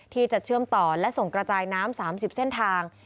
ที่จะเชื่อมต่อและส่งกระจายน้ำ๓๐เส้นทาง